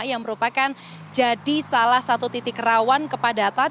yang merupakan jadi salah satu titik rawan kepadatan